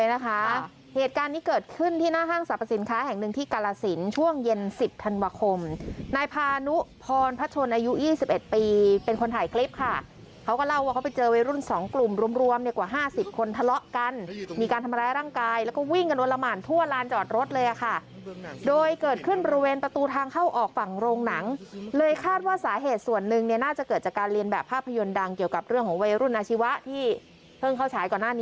นะคะเหตุการณ์นี้เกิดขึ้นที่หน้าห้างสรรพสินค้าแห่งหนึ่งที่กาลสินช่วงเย็นสิบธันวคมนายพานุพรพชนอายุยี่สิบเอ็ดปีเป็นคนถ่ายคลิปค่ะเขาก็เล่าว่าเขาไปเจอวัยรุ่นสองกลุ่มรวมรวมเรียกกว่าห้าสิบคนทะเลาะกันมีการทำร้ายร่างกายแล้วก็วิ่งกันโอนละหมานทั่วลานจอดรถเลยอ่ะค่ะโ